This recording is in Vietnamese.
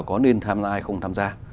có nên tham gia hay không tham gia